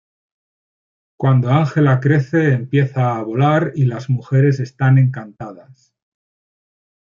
Cuando Ángela crece empieza a volar y las mujeres están encantadas.